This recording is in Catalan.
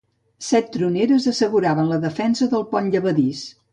Set troneres asseguraven la defensa del pont llevadís.